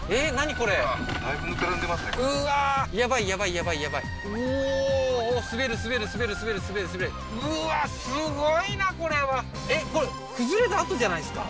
これだいぶぬかるんでますねうわーやばいやばいやばいやばいおおー滑る滑る滑る滑る滑る滑るうわすごいなこれはえっこれ崩れた跡じゃないですか？